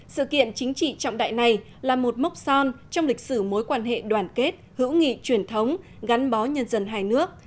sự kiện chính trị trọng đại này là một mốc son trong lịch sử mối quan hệ đoàn kết hữu nghị truyền thống gắn bó nhân dân hai nước